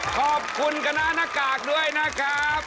ขอบคุณคณะหน้ากากด้วยนะครับ